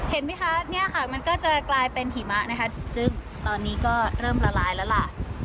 เห็นไหมคะเนี่ยค่ะมันก็จะกลายเป็นหิมะนะคะซึ่งตอนนี้ก็เริ่มละลายแล้วล่ะ